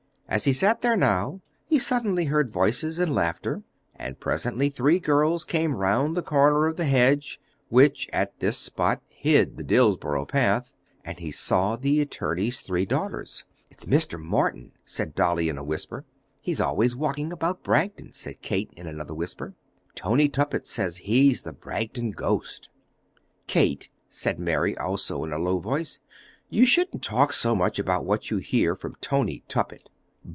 As he sat there now, he suddenly heard voices and laughter, and presently three girls came round the corner of the hedge, which, at this spot, hid the Dillsborough path, and he saw the attorney's three daughters. "It's Mr. Morton," said Dolly in a whisper. "He's always walking about Bragton," said Kate in another whisper. "Tony Tuppett says that he's the Bragton ghost." "Kate," said Mary, also in a low voice, "you shouldn't talk so much about what you hear from Tony Tuppett."